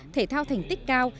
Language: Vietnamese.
thể thao thành tích cao